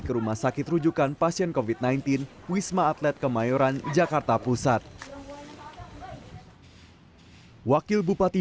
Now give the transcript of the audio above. ke rumah sakit rujukan pasien covid sembilan belas wisma atlet kemayoran jakarta pusat wakil bupati